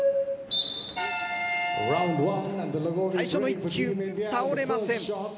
最初の１球倒れません。